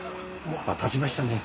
立ちましたね。